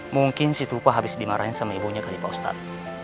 mungkin si tupa habis dimarahin sama ibunya kali pak ustadz